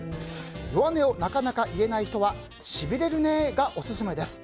弱音をなかなか言えない人はしびれるねぇ！がオススメです。